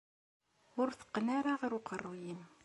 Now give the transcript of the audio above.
Ur t-tteqqen ara ɣer uqerruy-im.